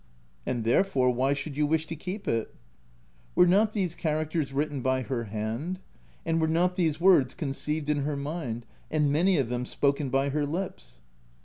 u And therefore, why should you wish to keep it' " Were not these characters written by her hand ? and were not these words conceived in her mind, and many of them spoken by her lips?"